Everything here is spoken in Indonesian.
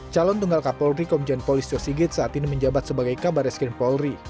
calon tunggal kapolri komjen polis tio sigit saat ini menjabat sebagai kabar reskrim polri